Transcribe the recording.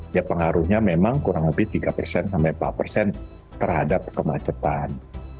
ya pengaruhnya memang kurang lebih tiga persen sampai empat persen terhadap kemacetan